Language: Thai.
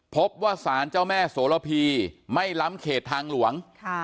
พบว่าสารเจ้าแม่โสระพีไม่ล้ำเขตทางหลวง